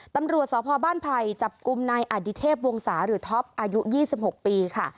ตำรวจสพบ้านไผ่จับกลุ่มนายอดิเทพวงศาหรือท็อปอายุ๒๖ปีค่ะ